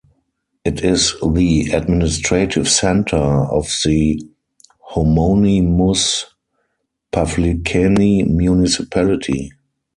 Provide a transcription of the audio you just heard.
It is the administrative centre of the homonymous Pavlikeni Municipality.